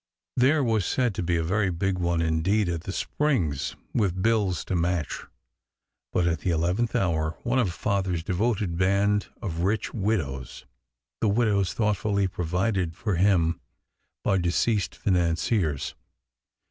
There was said to be a very big one indeed, at the Springs, with bills to match; but at the eleventh hour one of Father s devoted band of rich widows (the widows thoughtfully provided for him by deceased financiers)